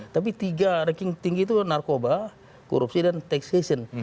tapi tiga ranking tinggi itu narkoba korupsi dan taxation